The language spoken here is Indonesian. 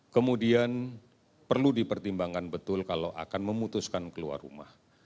kemudian perlu dipertimbangkan betul kalau akan memutuskan keluar rumah